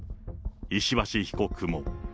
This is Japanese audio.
石橋被告も。